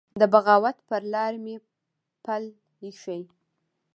د بغاوت پر لار مي پل يښی